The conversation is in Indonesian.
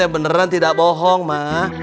beneran tidak bohong mak